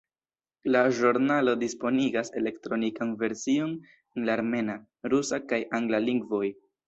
La ĵurnalo disponigas elektronikan version en la armena, rusa kaj angla lingvoj.